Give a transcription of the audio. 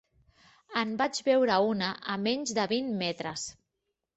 En vaig veure una a menys de vint metres.